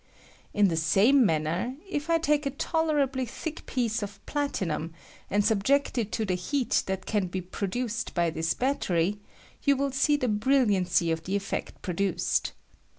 In the same man ner, if I take a tolerably thick piece of plati , Hum, and subject it to the heat that can be pro Iduced by this battery, you will see the briUian I' oy of the effect produced.